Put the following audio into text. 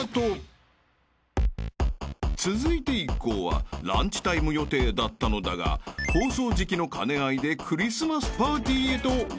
［続いて一行はランチタイム予定だったのだが放送時期の兼ね合いでクリスマスパーティーへとワープ］